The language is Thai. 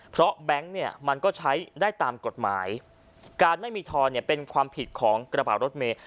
เพราะแบงค์เนี่ยมันก็ใช้ได้ตามกฎหมายการไม่มีทอนเนี่ยเป็นความผิดของกระเป๋ารถเมย์